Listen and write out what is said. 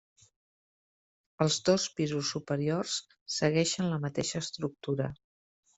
Els dos pisos superiors segueixen la mateixa estructura.